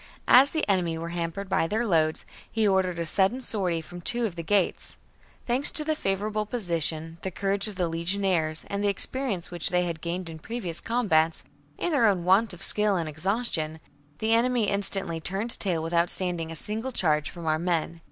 As the enemy were hampered by their loads, he ordered a sudden sortie from two of the gates. Thanks to the favourable position, the courage of the legionaries and the experience which they had gained in previous combats, and their own want of skill and exhaustion, the enemy instantly turned tail without standing a single charge from our men.